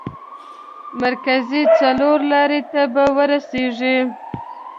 مرکزي څلور لارې ته به ورسېږئ.